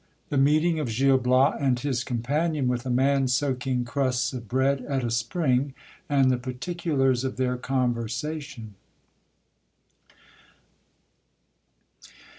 — The meeting of Gil Bias and his companion with a man soaking crusts of bread at a spring, and tlie particulars of their conversation.